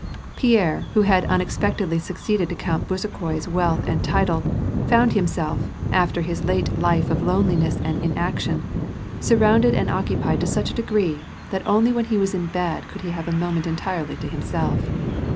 Pierre who had unexpectedly sucoeeded to Count Bezukhoi^s wealth and title, found himself, after his late life of loneliness and inaction, surrounded and occupied to such a degree that only when he was in bed could he have a moment entirely to himself.